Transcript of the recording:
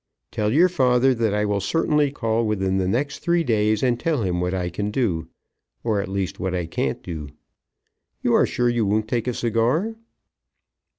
"Tell your father that I will certainly call within the next three days and tell him what I can do; or, at least, what I can't do. You are sure you won't take a cigar?"